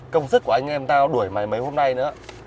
công sức của anh em tau đuổi mày mấy hôm nay nữa